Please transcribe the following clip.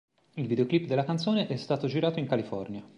Il videoclip della canzone è stato girato in California.